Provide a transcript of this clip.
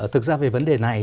thực ra về vấn đề này